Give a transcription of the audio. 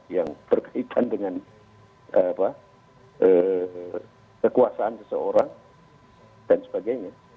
yang berkaitan dengan kekuasaan seseorang dan sebagainya